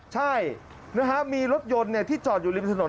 ใช่นะฮะมีรถยนต์ที่จอดอยู่ริมถนน